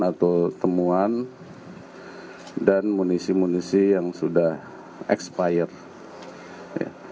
atau temuan dan munisi munisi yang sudah expired